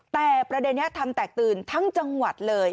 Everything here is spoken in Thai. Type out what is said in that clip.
แต่ประเด็นนี้ทำแตกตื่นทั้งจังหวัดเลย